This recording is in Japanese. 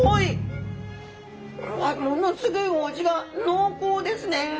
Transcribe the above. ものすごいお味が濃厚ですね！